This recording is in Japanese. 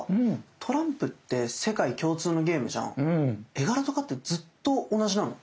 絵柄とかってずっと同じなの？